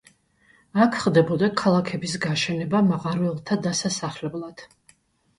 აქ ხდებოდა ქალაქების გაშენება მაღაროელთა დასასახლებლად.